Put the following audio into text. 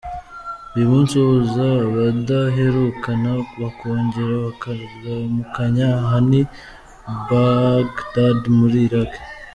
Uyu munsi uhuza abadaherukana bakongera bakaramukanya, aha ni Bagdad muri Iraq.